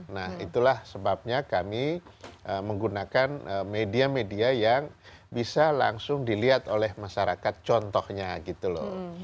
nah itulah sebabnya kami menggunakan media media yang bisa langsung dilihat oleh masyarakat contohnya gitu loh